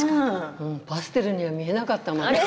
パステルには見えなかったもの。